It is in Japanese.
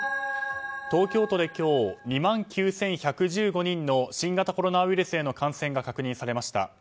東京都で今日２万９１１５人の新型コロナウイルスへの感染が確認されました。